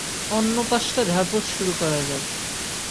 অন্যপাশটা ঝারপোছ শুরু করা যাক।